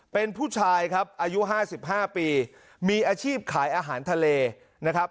เป็นผู้ชายครับอายุ๕๕ปีมีอาชีพขายอาหารทะเลนะครับ